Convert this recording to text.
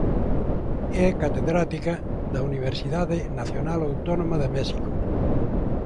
É catedrática da Universidade Nacional Autónoma de México.